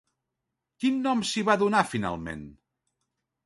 Quin nom s'hi va donar finalment?